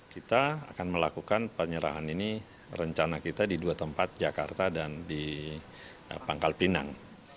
kita akan melakukan penyerahan ini rencana kita di dua tempat jakarta dan di pangkal pinang